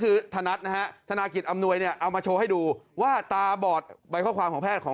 แล้วไม่แขนตายอย่างนี้แล้วแสงที่ออกทีวีอันตรายมาก